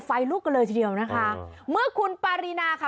ไฟลุกกันเลยทีเดียวนะคะเมื่อคุณปารีนาค่ะ